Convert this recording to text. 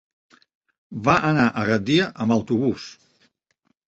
Va anar a Gandia amb autobús.